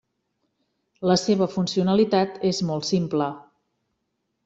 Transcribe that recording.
La seva funcionalitat és molt simple.